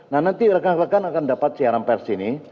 nah nanti rekan rekan akan dapat siaran pers ini